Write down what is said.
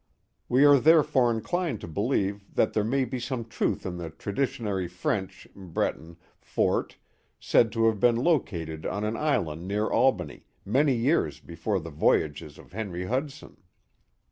We are therefore inclined to believe that there may be some truth in the traditionary French (Breton) fort, said to have been located on an island near Albany, many years before the voy ages of Henry Hudson.